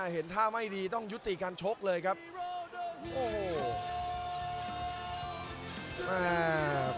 เห็นท่าไม่ดีต้องยุติการชกเลยครับโอ้โห